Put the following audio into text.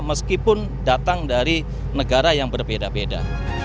meskipun datang dari negara yang berbeda beda